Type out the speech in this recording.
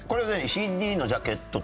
ＣＤのジャケットとか？